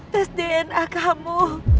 tes dna kamu